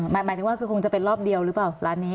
หมายถึงว่าคือคงจะเป็นรอบเดียวหรือเปล่าร้านนี้